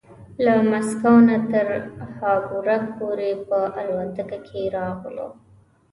له مسکو نه تر هامبورګ پورې په الوتکه کې راغلو.